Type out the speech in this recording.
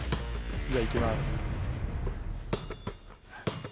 じゃあ行きます。